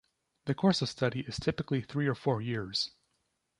The course of study is typically three or four years.